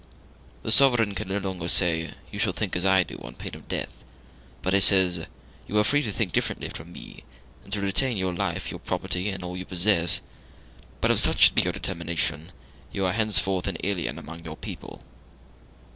The sovereign can no longer say, "You shall think as I do on pain of death;" but he says, "You are free to think differently from me, and to retain your life, your property, and all that you possess; but if such be your determination, you are henceforth an alien among your people.